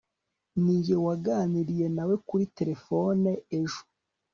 ninjye waganiriye nawe kuri terefone ejo